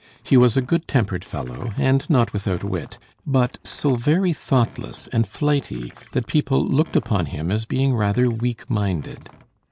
He was a good tempered fellow, and not without wit, but so very thoughtless and flighty that people looked upon him as being rather weak minded.